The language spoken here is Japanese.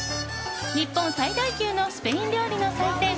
日本最大級のスペイン料理の祭典